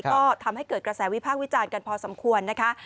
ก็ทำให้เกิดกระแสวิพากษ์วิจารณ์กันพอสมควรนะคะ